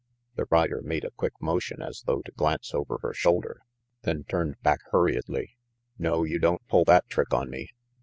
The rider made a quick motion as though to glance over her shoulder, then turned back hurriedly. "No, you don't pull that trick on me."